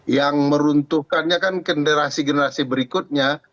yang meruntuhkannya kan generasi generasi berikutnya